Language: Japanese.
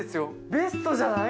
ベストじゃない？